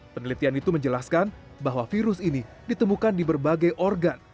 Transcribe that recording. penelitian itu menjelaskan bahwa virus ini ditemukan di berbagai organ